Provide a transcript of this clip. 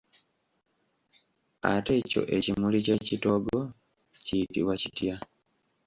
Ate kyo ekimuli ky'ekitoogo kiyitibwa kitya?